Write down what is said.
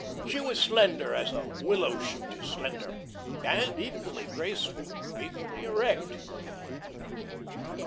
She was slender as a willow shoot is slender and equally graceful, equally erect.